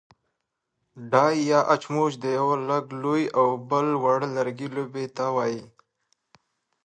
ډی يا اچموچ د يوۀ لږ لوی او بل واړۀ لرګي لوبې ته وايي.